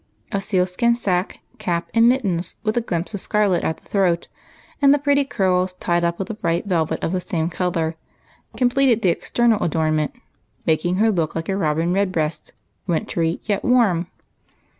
A seal skin sack, cap, and mittens, with a glimpse of scarlet at the throat, and the pretty curls tied up with a bright velvet of the same color, completed the exter nal adornment, making her look like a robin red breast, — wintry, yet warm.